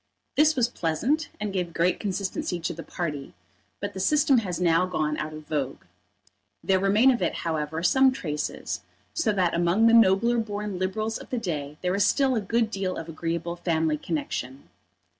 This was pleasant and gave great consistency to the party; but the system has now gone out of vogue. There remain of it, however, some traces, so that among the nobler born Liberals of the day there is still a good deal of agreeable family connection.